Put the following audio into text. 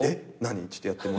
ちょっとやってもらって。